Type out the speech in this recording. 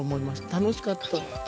楽しかった。